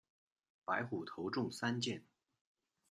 白虎头中三箭。